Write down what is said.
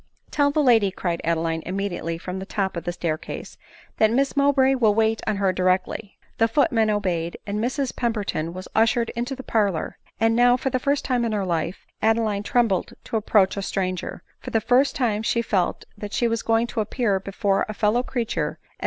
"Tell the lady," cried Adeline, immediately from the top of the staircase, " that Miss Mowbray will wait on her directly." The footman obeyed, and Mrs Pember ton was ushered into the parlor ; and now, for the first time, in her life, Adeline trembled to approach a stranger ; for the first time she felt that she was going to appear be fore a fellow creature as.